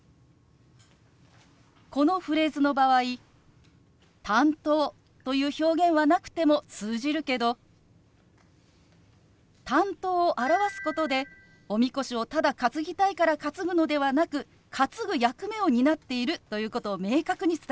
このフレーズの場合「担当」という表現はなくても通じるけど「担当」を表すことでおみこしをただ担ぎたいから担ぐのではなく担ぐ役目を担っているということを明確に伝えることができるの。